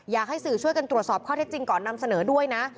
อยากให้สื่อช่วยกันตรวจสอบข้อเท็จจริงก่อนนำเสนอด้วยนะ